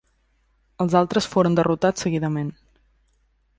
Els altres foren derrotats seguidament.